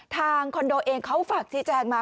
คอนโดเองเขาฝากชี้แจงมา